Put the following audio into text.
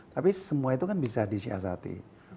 tapi semua itu kan bisa disiasati